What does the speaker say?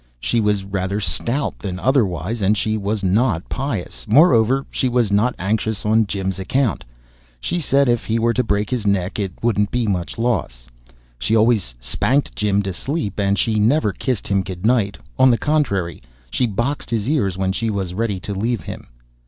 She was rather stout than otherwise, and she was not pious; moreover, she was not anxious on Jim's account. She said if he were to break his neck it wouldn't be much loss. She always spanked Jim to sleep, and she never kissed him good night; on the contrary, she boxed his ears when she was ready to leave him.